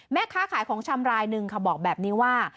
แม่ค้าขายของชำรายหนึ่งค่ะบอกแบบนี้ว่า